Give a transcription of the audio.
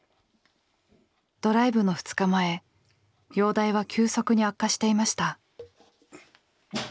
ドライブの２日前容体は急速に悪化していました。